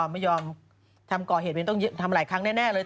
ไม่ยอมทำก่อเหตุมันต้องทำหลายครั้งแน่เลย